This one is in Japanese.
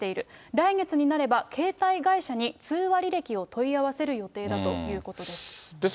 来月になれば、携帯会社に通話履歴を問い合わせる予定だということです。